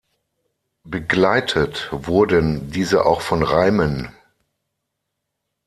Begleitet wurden diese auch von Reimen.